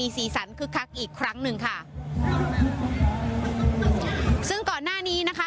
ซึ่งก่อนหน้านี้นะคะ